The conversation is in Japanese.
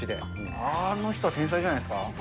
あの人は天才じゃないですか。